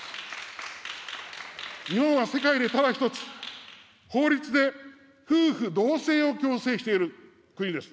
日本は世界でただ一つ、法律で夫婦同姓を強制している国です。